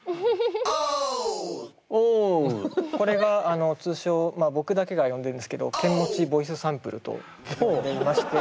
これが通称僕だけが呼んでるんですけどケンモチボイスサンプルと呼んでいまして。